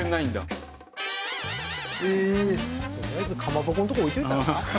とりあえずかまぼこのとこ置いといたら？